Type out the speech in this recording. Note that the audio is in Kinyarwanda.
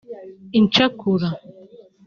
incakura